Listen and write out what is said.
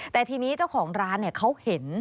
แต่ทีนี้เจ้าของร้านเขาเห็น